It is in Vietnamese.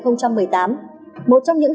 năm hai nghìn một mươi tám một trong những